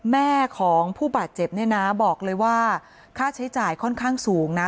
แม่ของผู้บาดเจ็บเนี่ยนะบอกเลยว่าค่าใช้จ่ายค่อนข้างสูงนะ